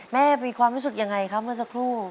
มีความรู้สึกยังไงครับเมื่อสักครู่